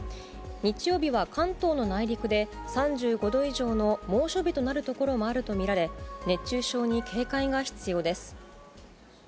日曜日は関東の内陸で、３５度以上の猛暑日となる所もあると見られ、熱中症に警戒が必要です。